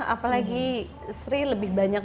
apalagi sri lebih banyak